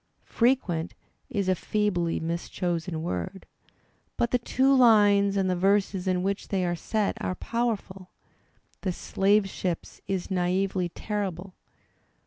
"Prequent" is a feebly mischosen word. But the two lines and the verses in which they are set are powerful. "The Slave Ships" is naively terrible.